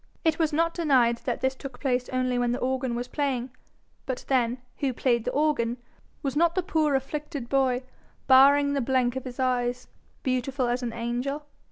It was not denied that this took place only when the organ was playing but then who played the organ? Was not the poor afflicted boy, barring the blank of his eyes, beautiful as an angel?